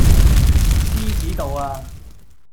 獅子度呀